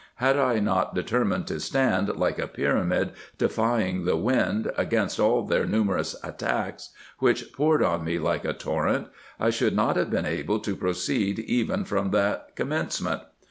Had I not determined to stand, like a pyramid defying the wind, against all their numerous attacks, which poured on me like a torrent, I should not have been able to proceed, even from the commencement.